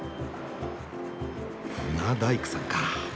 船大工さんか。